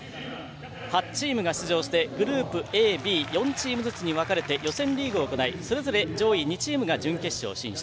８チームが出場してグループＡ、Ｂ４チームずつに分かれて予選リーグを行いそれぞれ上位２チームが準決勝進出。